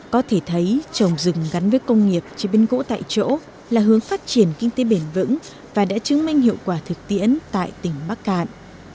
có thể thấy trồng rừng gắn với công nghiệp chế biến gỗ tại chỗ là hướng phát triển kinh tế bền vững và đã chứng minh hiệu quả thực tiễn tại tỉnh bắc cạn